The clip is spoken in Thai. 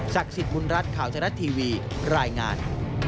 จักษิตมุนรัฐข่าวจักรัฐทีวีรายงาน